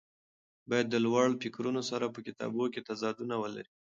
باید د لوړو فکرونو سره په کتابونو کې تضادونه ولري.